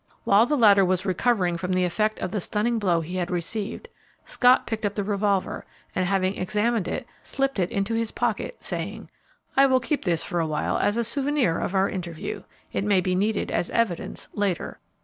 While the latter was recovering from the effect of the stunning blow he had received, Scott picked up the revolver and, having examined it, slipped it into his pocket, saying, "I will keep this for a while as a souvenir of our interview. It may be needed as evidence later."